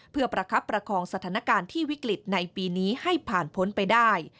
เพื่อประคับประคองสถานการณ์ที่วิกฤตในปีนี้ให้ผ่านพ้นไปได้